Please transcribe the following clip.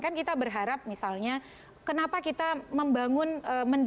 kan kita berharap misalnya kenapa kita membangun mendesain pemilu serentak